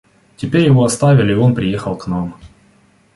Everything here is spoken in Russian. Теперь его отставили, и он приехал к нам.